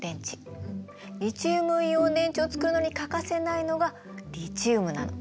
リチウムイオン電池を作るのに欠かせないのがリチウムなの。